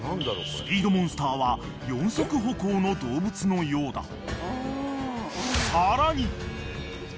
［スピードモンスターは四足歩行の動物のようだ］